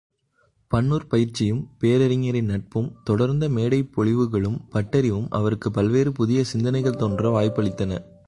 பன்னுற் பயிற்சியும், பேரறிஞரின் நட்பும், தொடர்ந்த மேடைப்பொழிவுகளும், பட்டறிவும் அவருக்குப் பல்வேறு புதிய சிந்தனைகள் தோன்ற வாய்ப்பளித்தன.